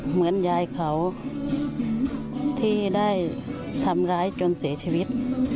เหมือนยายเขาที่ได้ทำร้ายจนเสียชีวิต